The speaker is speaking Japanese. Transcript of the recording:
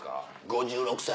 ５６歳。